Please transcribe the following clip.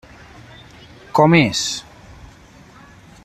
Com és?